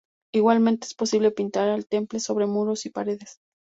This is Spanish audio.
Igualmente, es posible pintar al temple sobre muros y paredes.